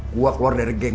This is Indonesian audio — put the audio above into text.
gue keluar dari geng